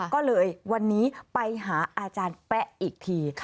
ก็เลยวันนี้ไปหาอาจารย์แป๊ะอีกที